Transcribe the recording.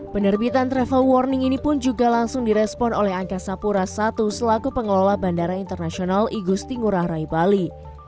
penerbitan travel warning ini pun juga langsung direspon oleh angkasa pura i selaku pengelola bandara internasional igusti ngurah rai bali